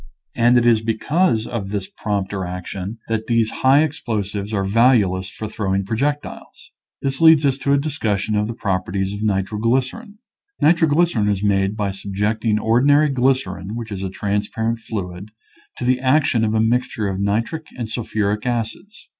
And it is because of this prompter action that these high explosives are valueless for throwing projectiles. This leads us to a discussion of the properties of nitroglycerin. Nitroglycerin is made by subjecting or dinary glycerin, which is a transparent fluid, to the action of a mixture of nitric and sul phuric acids.